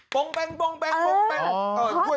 โป๊งแป๊งโป๊งแป๊งโป๊งแป๊ง